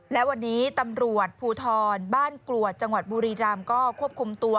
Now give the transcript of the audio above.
และวันนี้ตำรวจภูทรบ้านกรวดจังหวัดบุรีรำก็ควบคุมตัว